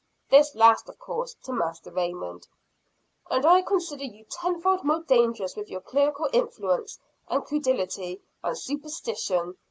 This last of course to Master Raymond. "And I consider you tenfold more dangerous with your clerical influence, and credulity, and superstition!"